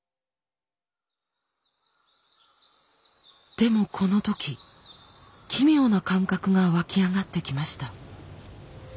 でもこの時奇妙な感覚が湧き上がってきました。